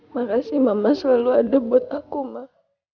makasih mama selalu ada buat aku mak